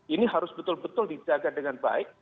ini harus betul betul dijaga dengan baik